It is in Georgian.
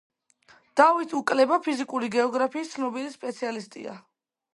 დავით უკლება ფიზიკური გეოგრაფიის ცნობილი სპეციალისტია.